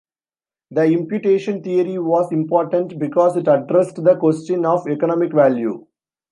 The imputation theory was important because it addressed the question of economic value.